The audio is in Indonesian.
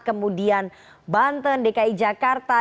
kemudian banten dki jakarta